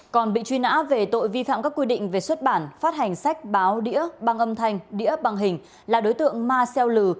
còn bị truy nã về tội vi phạm các quy định về xuất bản phát hành sách báo đĩa băng âm thanh đĩa bằng hình là đối tượng ma xeo lừ